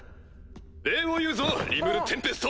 礼を言うぞリムル＝テンペスト！